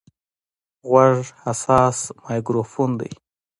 غوږ حساس مایکروفون دی.